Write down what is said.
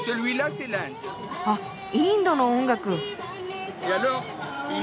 あっインドの音楽。